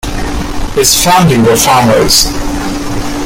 His family were farmers.